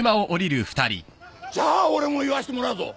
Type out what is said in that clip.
じゃあ俺も言わせてもらうぞ。